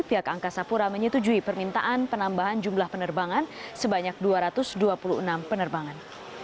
pihak angkasa pura menyetujui permintaan penambahan jumlah penerbangan sebanyak dua ratus dua puluh enam penerbangan